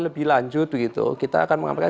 lebih lanjut begitu kita akan menyampaikan